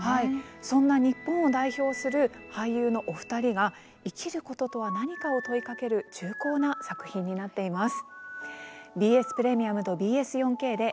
そんな日本を代表する俳優のお二人が生きることとは何かを問いかける重厚な作品です。